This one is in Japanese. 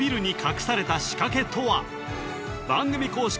番組公式